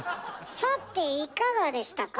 さていかがでしたか？